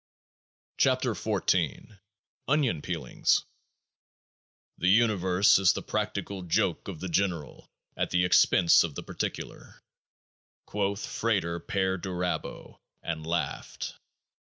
22 KEOAAH IA ONION PEELINGS The Universe is the Practical Joke of the General at the Expense of the Particular, quoth FRATER PERDURABO, and laughed.